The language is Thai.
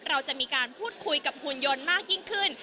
เราจะมีการพูดคุยกับหุ่นยนต์มากยิ่งขึ้น